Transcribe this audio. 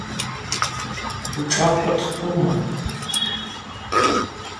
Ушӏа къвыт тума?